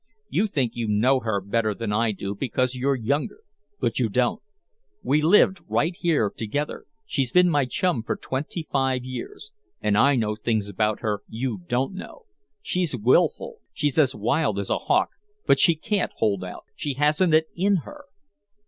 You think you know her better than I do because you're younger but you don't. We've lived right here together she's been my chum for twenty five years, and I know things about her you don't know. She's wilful, she's as wild as a hawk but she can't hold out, she hasn't it in her."